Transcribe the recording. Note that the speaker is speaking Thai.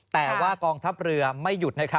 แต่ว่ากองทัพเรือไม่หยุด